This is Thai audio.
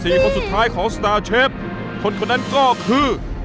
คนสุดท้ายของสตาร์เชฟคนคนนั้นก็คือ